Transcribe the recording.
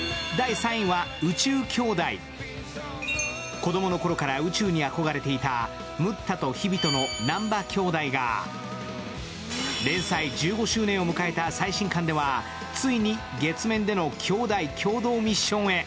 子供の頃から宇宙に憧れていた、ムッタとヒビトの南波兄弟が連載１５周年を迎えた最新刊ではついに月面での兄弟共同ミッションへ。